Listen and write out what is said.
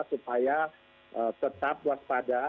supaya tetap waspada